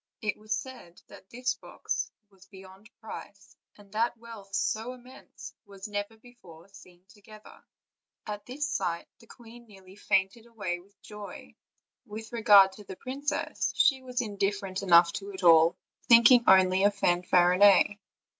It was said that this box was beyond price, and that wealth so immense was never before seen together. At this sight the queen nearly fainted away with joy; with regard to the princess, she was indifferent enough to it all, think ing only of Fanfarinet.